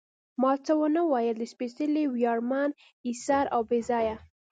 ما څه ونه ویل، د سپېڅلي، ویاړمن، اېثار او بې ځایه.